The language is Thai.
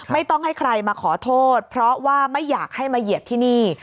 ไม่ต้องให้ใครมาขอโทษเพราะว่าไม่อยากให้มาเหยียบที่นี่